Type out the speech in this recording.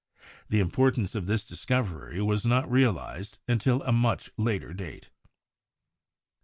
The importance of this discovery was not realized until a much later date.